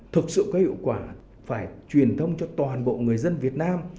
thực sự có hiệu quả phải truyền thông cho toàn bộ người dân việt nam